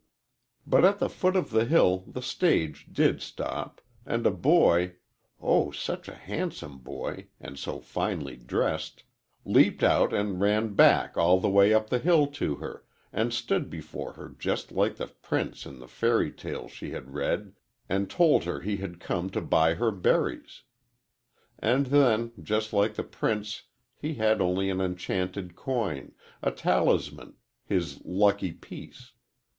"But at the foot of the hill the stage did stop, and a boy, oh, such a handsome boy and so finely dressed, leaped out and ran back all the way up the hill to her, and stood before her just like the prince in the fairy tales she had read, and told her he had come to buy her berries. And then, just like the prince, he had only an enchanted coin a talisman his lucky piece.